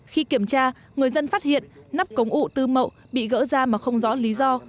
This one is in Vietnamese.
khi kiểm tra người dân phát hiện nắp cống ủ tư mậu bị gỡ ra mà không rõ lý do